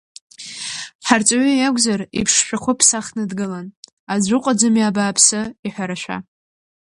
Ҳарҵаҩы иакәзар, иԥшшәахәы ԥсахны дгылан, аӡә уҟаӡами, абааԥсы, иҳәарашәа.